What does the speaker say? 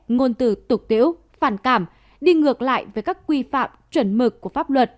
ngôn từ tục tiễu phản cảm đi ngược lại với các quy phạm chuẩn mực của pháp luật